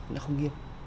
nó không nghiêm